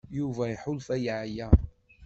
Yuba iḥulfa yeɛya.